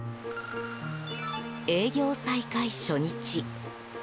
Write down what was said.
営業再開初日。